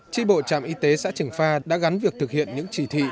chi bộ trạm y tế xã trỉnh pha đã gắn việc thực hiện những chỉ thị